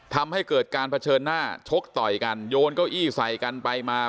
ทำให้เกิดการเผชิญหน้าชกต่อยกันโยนเก้าอี้ใส่กันไปมา